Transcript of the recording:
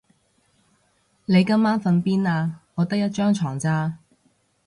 你今晚瞓邊啊？我得一張床咋